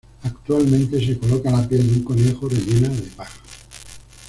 Actualmente se coloca la piel de un conejo rellena de paja.